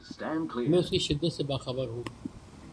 میں اس کی شدت سے باخبر ہوں۔